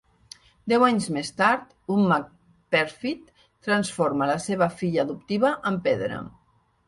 Deu anys més tard, un mag pèrfid transforma la seva filla adoptiva en pedra.